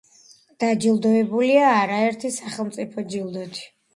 დაჯილდოებულია არაერთი სახელმწიფო ჯილდოთი.